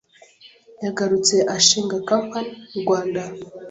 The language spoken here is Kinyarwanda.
Yaragarutse ashinga company mu Rwanda